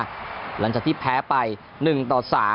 หลังจากที่แพ้ไป๑ต่อ๓